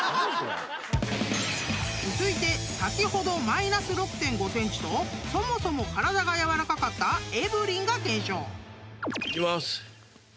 ［続いて先ほどマイナス６．５ｃｍとそもそも体がやわらかかったエブリンが検証］いきます。